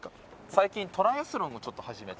最近トライアスロンをちょっと始めて。